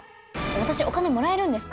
私お金もらえるんですか？